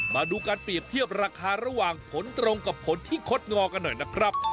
มาดูการเปรียบเทียบราคาระหว่างผลตรงกับผลที่คดงอกันหน่อยนะครับ